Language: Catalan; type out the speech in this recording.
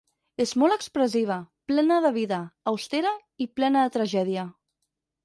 És molt expressiva, plena de vida, austera i plena de tragèdia.